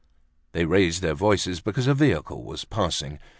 They raised their voices, because a vehicle was passing.